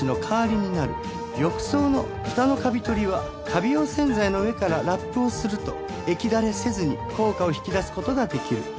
浴槽の蓋のカビ取りはカビ用洗剤の上からラップをすると液垂れせずに効果を引き出す事ができる。